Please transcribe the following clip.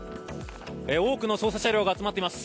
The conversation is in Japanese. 多くの捜査車両が集まっています。